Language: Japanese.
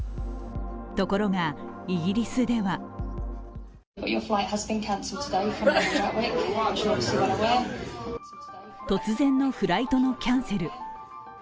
ところがイギリスでは突然のフライトのキャンセル。